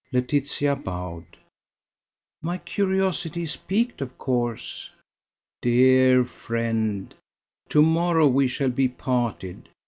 Laetitia bowed. "My curiosity is piqued, of course." "Dear friend, to morrow we shall be parted.